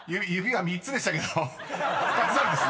２つなんですね］